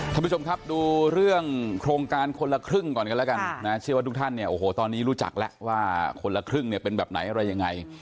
ท่านผู้ชมครับดูเรื่องโครงการคนละครึ่งก่อนกันแล้วกันนะเชื่อว่าทุกท่านเนี่ยโอ้โหตอนนี้รู้จักแล้วว่าคนละครึ่งเนี่ยเป็นแบบไหนอะไรยังไง